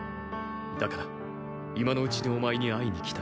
だから今のうちにお前に会いに来た。